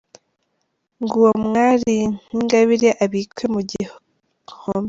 Ngo uwo mwari nka Ingabire abikwe mu gihome